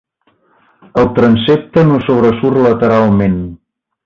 El transsepte no sobresurt lateralment.